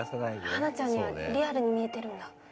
華ちゃんにはリアルに見えてるんだ。